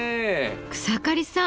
草刈さん